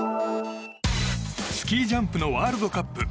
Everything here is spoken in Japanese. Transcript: スキージャンプのワールドカップ。